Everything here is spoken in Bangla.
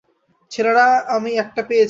ছেলেরা, আমি একটা পেয়েছি!